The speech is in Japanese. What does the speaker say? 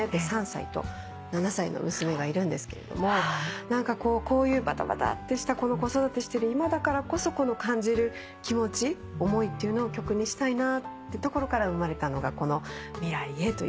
３歳と７歳の娘がいるんですけれども何かこうこういうバタバタってした子育てしてる今だからこそ感じる気持ち思いっていうのを曲にしたいなってところから生まれたのがこの『未来へ』という楽曲です。